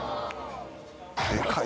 でかい。